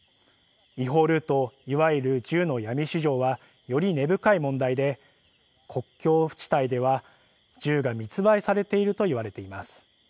違法ルートいわゆる銃の闇市場はより根深い問題で国境地帯では銃が密売されているといわれています。